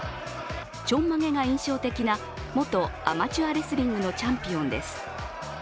ちょんまげが印象的な元アマチュアレスナングのチャンピオンです。